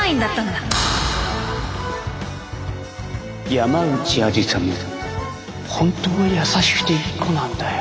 山内愛理沙も本当は優しくていい子なんだよ。